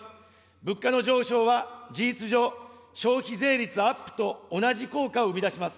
物価の上昇は、事実上、消費税率アップと同じ効果を生み出します。